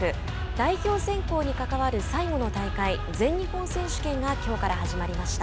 代表選考に関わる最後の大会全日本選手権がきょうから始まりました。